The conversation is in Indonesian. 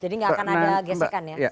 jadi gak akan ada gesekan ya